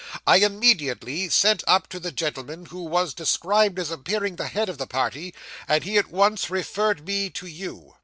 I immediately sent up to the gentleman who was described as appearing the head of the party, and he at once referred me to you.